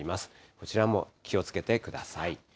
こちらも気をつけてください。